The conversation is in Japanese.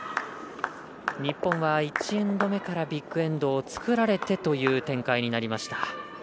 日本は１エンド目からビッグエンドを作られてという展開になりました。